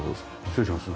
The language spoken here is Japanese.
失礼します。